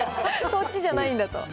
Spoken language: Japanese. そっちじゃないんだと。